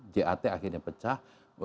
jat akhirnya pecah